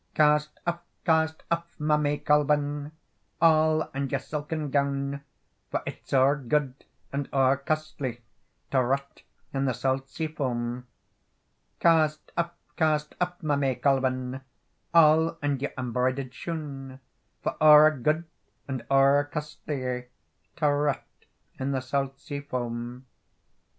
"Cast off, cast off, my May Colven, All and your silken gown, For it's oer good and oer costly To rot in the salt sea foam. "Cast off, cast off, my May Colven, All and your embroiderd shoen, For oer good and oer costly To rot in the salt sea foam."